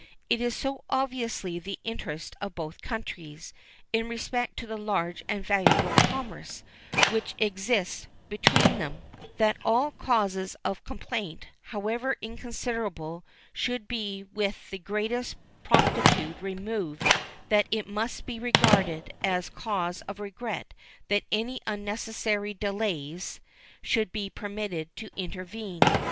It is so obviously the interest of both countries, in respect to the large and valuable commerce which exists between them, that all causes of complaint, however inconsiderable, should be with the greatest promptitude removed that it must be regarded as cause of regret that any unnecessary delays should be permitted to intervene.